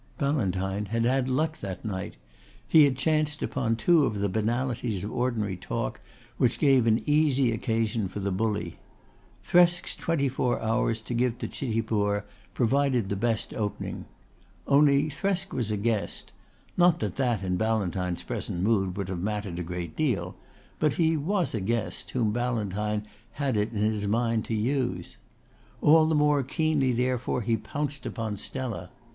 Ballantyne had had luck that night. He had chanced upon two of the banalities of ordinary talk which give an easy occasion for the bully. Thresk's twenty four hours to give to Chitipur provided the best opening. Only Thresk was a guest not that that in Ballantyne's present mood would have mattered a great deal, but he was a guest whom Ballantyne had it in his mind to use. All the more keenly therefore he pounced upon Stella.